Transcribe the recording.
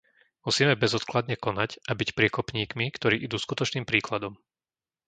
Musíme bezodkladne konať a byť priekopníkmi, ktorí idú skutočným príkladom.